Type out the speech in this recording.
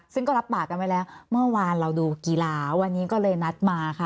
ซึ่งก็รับปากกันไว้แล้วเมื่อวานเราดูกีฬาวันนี้ก็เลยนัดมาค่ะ